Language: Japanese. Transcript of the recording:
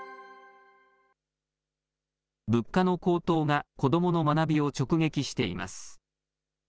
物価の高騰が子どもの学びを直撃しています。